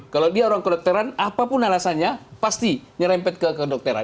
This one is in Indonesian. kalau dia orang kedokteran apapun alasannya pasti nyerempet ke kedokteran